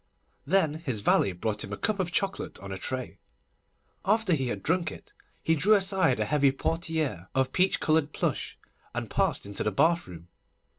Then his valet brought him a cup of chocolate on a tray. After he had drunk it, he drew aside a heavy portière of peach coloured plush, and passed into the bathroom.